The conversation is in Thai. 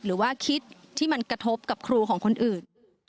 หรือว่าคิดที่มันกระทบกับครูของคนอื่น